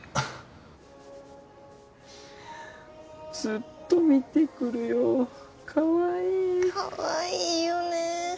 ずっと見てくるよかわいいかわいいよね